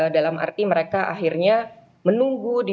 dalam arti mereka akhirnya menunggu di